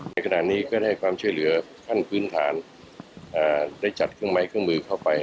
ในขณะนี้ก็ได้ความช่วยเหลือขั้นพื้นฐานได้จัดเครื่องไม้เครื่องมือเข้าไป